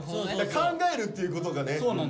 考えるっていうことがね。